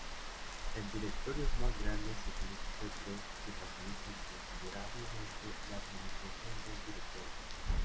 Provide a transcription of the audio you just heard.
En directorios más grandes se utiliza B-trees, que facilitan considerablemente la administración del directorio.